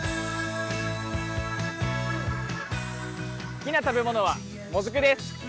好きな食べ物は、もずくです。